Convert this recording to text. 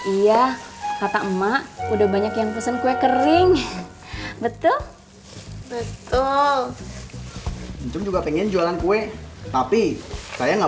iya kata emak udah banyak yang pesen kue kering betul betul juga pengen jualan kue tapi saya nggak